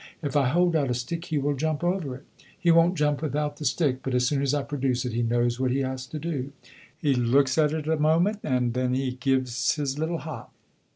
If I hold out a stick he will jump over it. He won't jump without the stick; but as soon as I produce it he knows what he has to do. He looks at it a moment and then he gives his little hop.